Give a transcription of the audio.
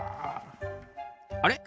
あれ？